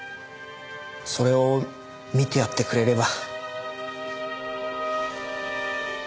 それを見てやってくれれば。